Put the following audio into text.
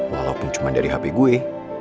walaupun cuma dari hb gue